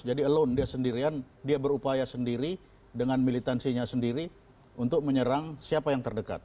jadi alone dia berupaya sendiri dengan militansinya sendiri untuk menyerang siapa yang terdekat